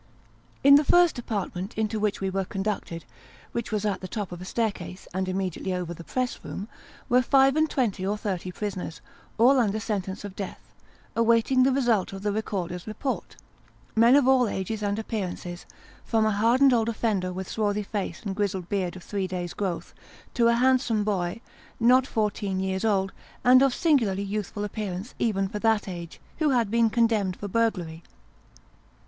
In the first apartment into which we were conducted which was at the top of a staircase, and immediately over the press room were five and twenty or thirty prisoners, all under sentence of death, await ing the result of the recorder's report men of all ages and appear ances, from a hardened old offender with swarthy face and grizzly beard of three days' growth, to a handsome boy, not fourteen years old, and of singularly youthful appearance even for that age, who had been condemned for burglary.